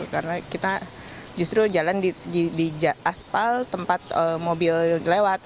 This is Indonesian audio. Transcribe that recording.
karena kita justru jalan di asfal tempat mobil lewat